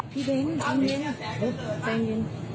พี่เบ้นใจเย็นใจเย็น